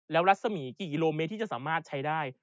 แล้วรัศมีกี่กิโลเมตรที่จะสามารถใช้ได้